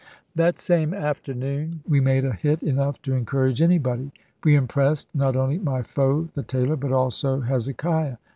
That same afternoon we made a hit enough to encourage anybody. We impressed not only my foe the tailor, but also Hezekiah!